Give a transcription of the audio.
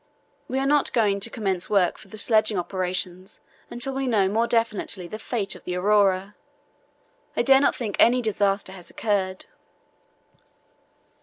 We are not going to commence work for the sledging operations until we know more definitely the fate of the Aurora. I dare not think any disaster has occurred."